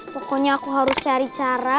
pokoknya aku harus cari cara